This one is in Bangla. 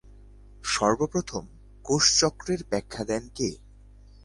সর্বপ্রথম কোষচক্রের ব্যাখ্যা দেন কে?